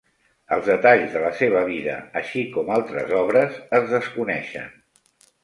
Els detalls de la seva vida així com altres obres, es desconeixen.